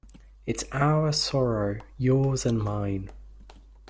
It’s our sorrow — yours and mine.